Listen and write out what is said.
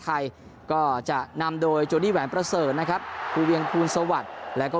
ไทยก็จะนำโดยโจดี้แหวนประเสริฐนะครับภูเวียงภูลสวัสดิ์แล้วก็